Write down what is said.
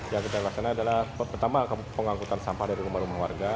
yang kita laksana adalah pertama pengangkutan sampah dari rumah rumah warga